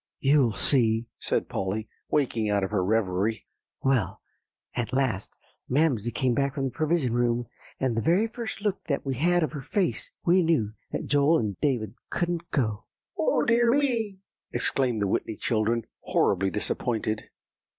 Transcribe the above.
"You'll see," said Polly, waking out of her revery. "Well, at last Mamsie came back from the Provision Room, and the very first look that we had of her face we knew that Joel and David couldn't go." "Oh, dear me!" exclaimed the Whitney children, horribly disappointed.